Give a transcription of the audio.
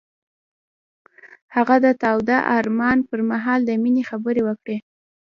هغه د تاوده آرمان پر مهال د مینې خبرې وکړې.